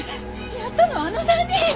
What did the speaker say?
やったのはあの３人よ。